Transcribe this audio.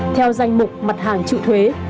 theo danh mục mặt hàng trự thuế